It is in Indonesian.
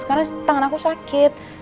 karena tangan aku sakit